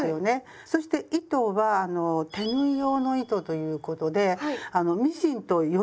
そして糸は手縫い用の糸ということであのミシンと撚れが逆なんです。